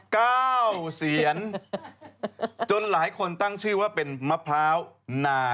กำลังดังนะฮะ